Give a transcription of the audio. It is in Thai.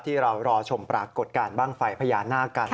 ที่เรารอชมปรากฏการณ์บ้างไฟพญานาคกัน